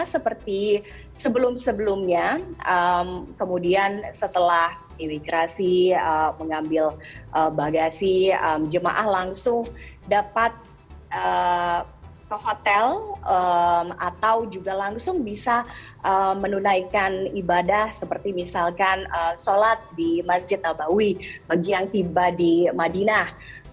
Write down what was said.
setelah imigrasi mengambil bagasi jemaah langsung dapat ke hotel atau juga langsung bisa menunaikan ibadah seperti misalkan sholat di masjid nabawi bagi yang tiba di madinah